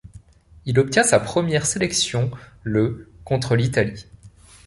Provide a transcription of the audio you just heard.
Il obtient sa première sélection le contre l'Italie.